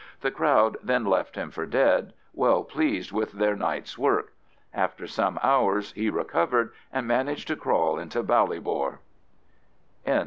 The crowd then left him for dead, well pleased with their night's work. After some hours he recovered and managed to crawl into Ballybor. XVI.